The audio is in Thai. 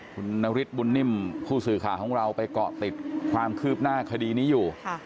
คุณนฤทธิบุญนิ่มผู้สื่อข่าวของเราไปเกาะติดความคืบหน้าคดีนี้อยู่